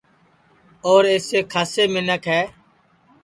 اور اِیسے کھاسے منکھ ہے